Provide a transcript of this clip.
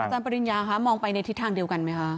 ปริญญาคะมองไปในทิศทางเดียวกันไหมคะ